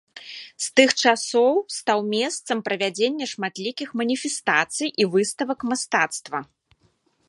З тых часоў стаў месцам правядзення шматлікіх маніфестацый і выставак мастацтва.